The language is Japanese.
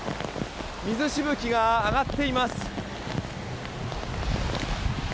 水しぶきが上がっています。